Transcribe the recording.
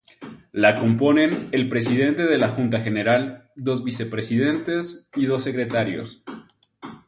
La componen el Presidente de la Junta General, dos vicepresidentes y dos secretarios.